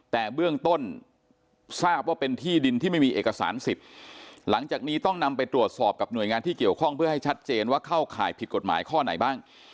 แต่เบื้องต้นทราบว่าเป็นที่ดินที่ไม่มีเอกสารสิทธิ์หลังจากนี้ต้องนำไปตรวจสอบกับหน่วยงานที่เกี่ยวข้องเพื่อให้ชัดเจนว่าเข้าข่ายผิดกฎหมายข้อไหนบ้าง